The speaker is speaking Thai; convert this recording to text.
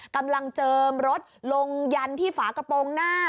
กำลังเจิมรสลงยันที่ฝากระโปรงหน้า